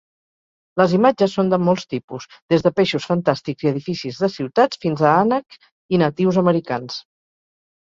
Les imatges són de molts tipus: des de peixos fantàstics i edificis de ciutats fins a ànec i natius americans.